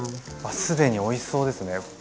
既においしそうですね。